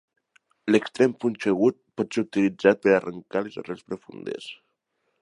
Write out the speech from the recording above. L'extrem punxegut pot ser utilitzat per arrancar les arrels profundes.